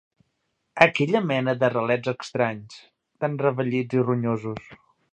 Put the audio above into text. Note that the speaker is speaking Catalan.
Aquella mena de ralets estranys, tan revellits i ronyosos.